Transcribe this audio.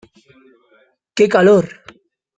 Qué calor.